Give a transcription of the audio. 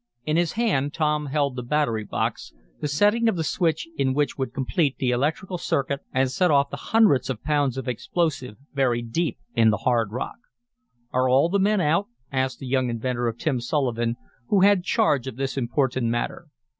In his hand Tom held the battery box, the setting of the switch in which would complete the electrical circuit and set off the hundreds of pounds of explosive buried deep in the hard rock. "Are all the men out?" asked the young inventor of Tim Sullivan, who had charge of this important matter.